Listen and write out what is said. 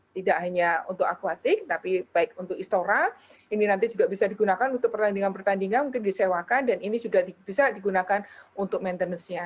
tidak hanya untuk aquatik tapi baik untuk istora ini nanti juga bisa digunakan untuk pertandingan pertandingan mungkin disewakan dan ini juga bisa digunakan untuk maintenance nya